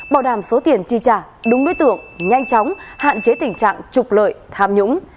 bảo đảm số tiền chi trả đúng đối tượng nhanh chóng hạn chế tình trạng trục lợi tham nhũng